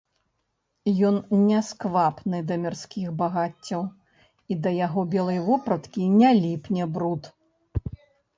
Ён не сквапны да мірскіх багаццяў і да яго белай вопраткі не ліпне бруд.